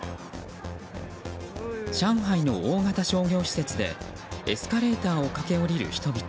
上海の大型商業施設でエスカレーターを駆け下りる人々。